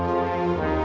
eike o pudah murah